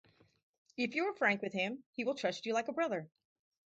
If you are frank with him, he will trust you like a brother.